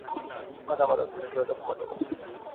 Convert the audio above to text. まだまだ続くよどこまでも